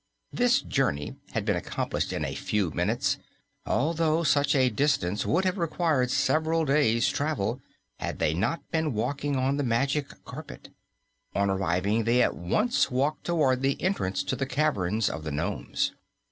This journey had been accomplished in a few minutes, although such a distance would have required several days travel had they not been walking on the Magic Carpet. On arriving they at once walked toward the entrance to the caverns of the nomes.